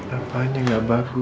apa aja gak bagus